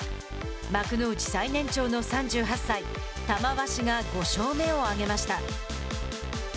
幕内最年長の３８歳玉鷲が５勝目を挙げました。